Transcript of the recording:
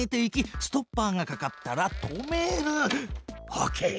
オッケー！